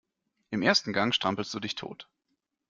Im ersten Gang strampelst du dich tot.